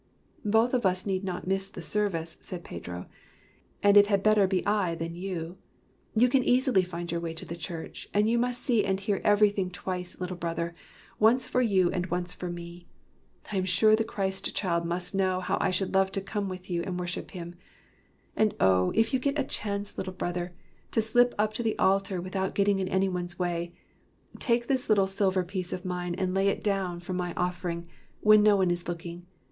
" Both of us need not miss the service," said Pedro, " and it had better be I than you. You can easily find your way to the church; and you must see and hear everything twice, Little Brother — once for you and once for me. I am sure the Christ child must know how I should love to come with you and worship Him; and oh! if you get a chance, Little 19 WHY THE CHIMES RANG Brother, to slip up to the altar without getting in any one's way, take this little silver piece of mine, and lay it down for my offering, when no one is looking.